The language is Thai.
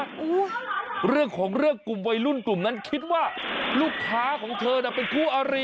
โอ้โหเรื่องของเรื่องกลุ่มวัยรุ่นกลุ่มนั้นคิดว่าลูกค้าของเธอน่ะเป็นคู่อารี